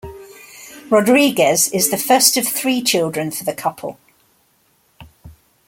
Rodriguez is the first of three children for the couple.